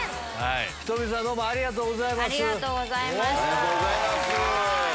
ｈｉｔｏｍｉさん、どうもあありがとうございました。